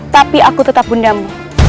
tapi aku tetap bundamu